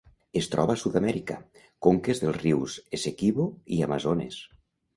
Es troba a Sud-amèrica: conques dels rius Essequibo i Amazones.